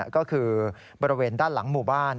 ก็คือบริเวณด้านหลังหมู่บ้าน